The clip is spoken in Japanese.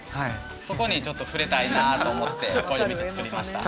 そこにちょっと触れたいなと思ってこういう店つくりました